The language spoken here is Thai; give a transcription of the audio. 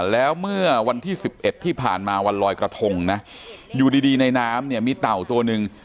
แล้วเมื่อวันที่๑๑ที่ผ่านมาวันลอยกระทงนะอยู่ดีในน้ำเนี่ยมีเต่าตัวหนึ่ง